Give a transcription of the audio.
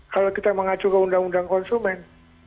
kalau kita mengacu ke undang undang konsumen